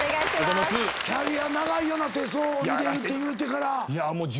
キャリア長いよな手相を見れるって言うてから。